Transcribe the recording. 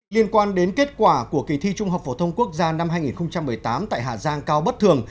liên quan đến kết quả của kỳ thi trung học phổ thông quốc gia năm hai nghìn một mươi tám tại hà giang cao bất thường